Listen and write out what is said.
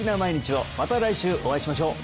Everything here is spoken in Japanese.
また来週お会いしましょう